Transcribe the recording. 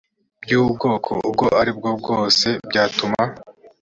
by ubwoko ubwo aribwo bwose byatuma